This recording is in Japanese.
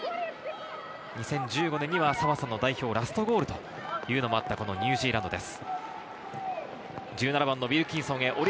２０１５年には澤さんの代表ラストゴールもあったニュージーランドです。